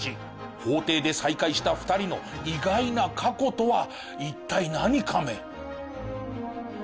法廷で再会した２人の意外な過去とは一体何カメ？